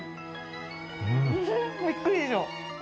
うん！びっくりでしょ？